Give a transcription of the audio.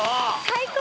最高！